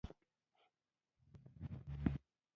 قاتل د خلکو له سترګو غورځي